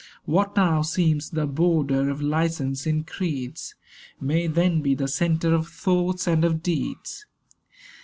What now seems the border Of licence in creeds, May then be the centre of thoughts and of deeds.